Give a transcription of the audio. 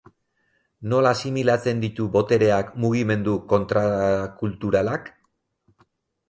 Nola asimilatzen ditu botereak mugimendu kontrakulturalak?